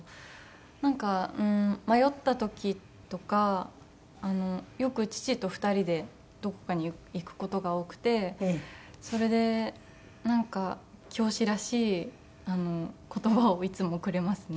なんか迷った時とかよく父と２人でどこかに行く事が多くてそれで教師らしい言葉をいつもくれますね。